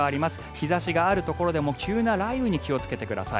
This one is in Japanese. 日差しがあるところでも急な雷雨に気をつけてください。